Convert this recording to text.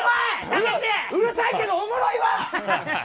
うるさいけど、おもろいわ！